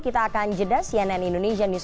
kita akan jeda cnn indonesia newsro